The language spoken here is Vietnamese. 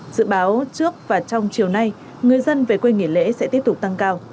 dự báo trước và trong chiều nay người dân về quê nghỉ lễ sẽ tiếp tục tăng cao